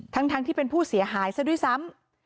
ทั้งที่เป็นผู้เสียหายซะด้วยซ้ำ